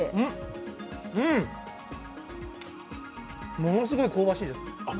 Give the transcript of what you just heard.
ものすごい香ばしいです。